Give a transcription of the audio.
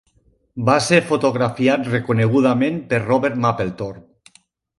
Va ser fotografiat reconegudament per Robert Mapplethorpe.